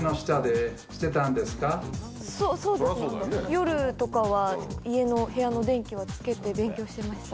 夜とかは、家の、部屋の電気はつけて勉強してました。